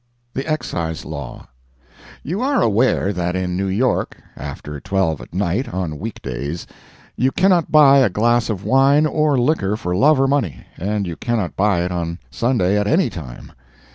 THE EXCISE LAW You are aware that in New York, after twelve at night, on week days, you cannot buy a glass of wine or liquor for love or money, and you cannot buy it on Sunday at any time.